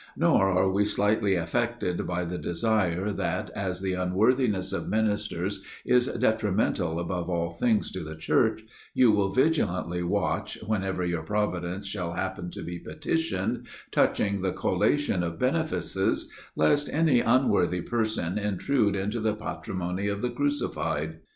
Nor are we slightly affected by the desire that, as the unworthiness of ministers is detrimental above all things to the Church, you will vigilantly watch, whenever your Providence shall happen to be petitioned, touching the collation of benefices, lest any unworthy person intrude into the Patrimony of the Crucified.